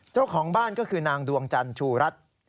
เจ้าของบ้านก็คือนางดวงจันชูรัฐ